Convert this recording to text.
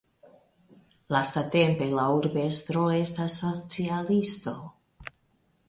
Lastatempe la urbestro estas socialisto.